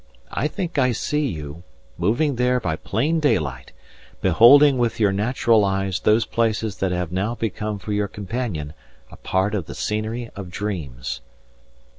I think I see you, moving there by plain daylight, beholding with your natural eyes those places that have now become for your companion a part of the scenery of dreams.